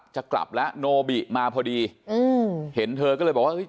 จะกลับแล้วโนบิมาพอดีอืมเห็นเธอก็เลยบอกว่าเฮ้ย